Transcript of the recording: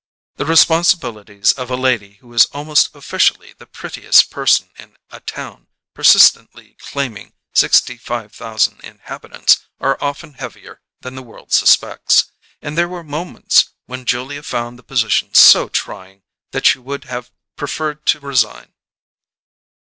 The responsibilities of a lady who is almost officially the prettiest person in a town persistently claiming sixty five thousand inhabitants are often heavier than the world suspects, and there were moments when Julia found the position so trying that she would have preferred to resign.